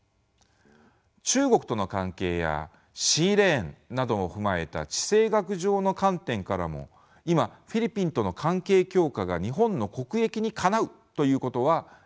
中国との関係やシーレーンなどを踏まえた地政学上の観点からも今フィリピンとの関係強化が日本の国益にかなうということは言うまでもありません。